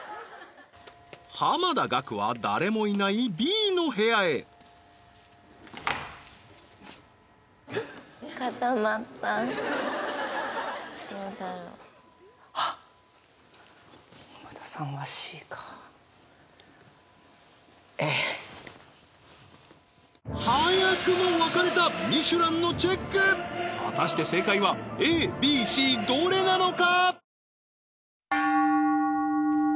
濱田岳は誰もいないＢの部屋へどうだろうえっ早くも分かれたミシュランのチェック果たして正解はＡＢＣどれなのか？